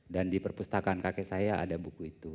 dan di perpustakaan kakek saya ada buku itu